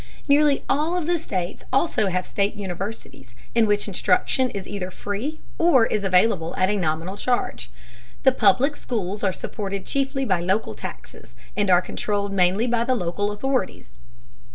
Nearly all of the states also have state universities in which instruction is either free or is available at a nominal charge. The public schools are supported chiefly by local taxes and are controlled mainly by the local authorities.